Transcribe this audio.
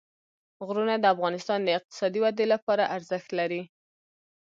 غرونه د افغانستان د اقتصادي ودې لپاره ارزښت لري.